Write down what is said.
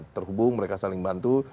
terhubung mereka saling bantu